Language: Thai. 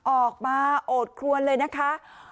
ออกมาโอดครวนเลยนะคะ